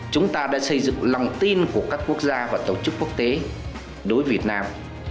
chúng ta đã xây dựng lòng tin của các quốc gia và tổ chức quốc tế đối với việt nam